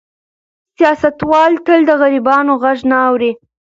سیاستوال تل د غریبانو غږ نه اوري.